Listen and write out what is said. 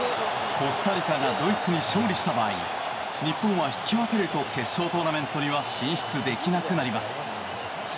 コスタリカがドイツに勝利した場合日本は引き分けると決勝トーナメントには進出できなくなります。